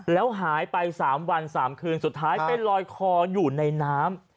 แล้วหายไป๓วัน๓คืนสุดท้ายไปลอยคออยู่ในน้ำ